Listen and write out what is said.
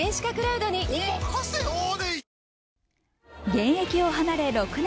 現役を離れ６年。